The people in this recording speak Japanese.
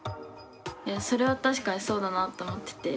いやそれは確かにそうだなと思ってて。